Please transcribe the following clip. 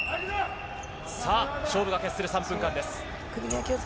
さあ、勝負が決する３分間です。